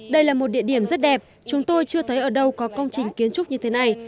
đây là một địa điểm rất đẹp chúng tôi chưa thấy ở đâu có công trình kiến trúc như thế này